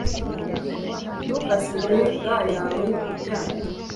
Ntugasige gants yawe uryamye